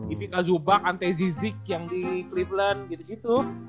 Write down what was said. evika zubac ante zizic yang di cleveland gitu gitu